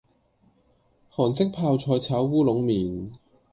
韓式泡菜炒烏龍麵